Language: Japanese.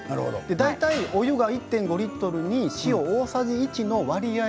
大体お湯が１．５リットルに塩大さじ１の割合。